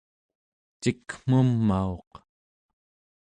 cikmumauq